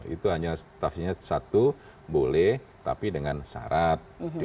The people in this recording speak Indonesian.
itu hanya tafsirnya satu boleh tapi dengan syarat